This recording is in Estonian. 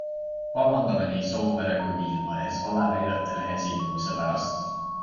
Vabandame nii Soomere kui Viilma ees valeväidete lehes ilmumise pärast.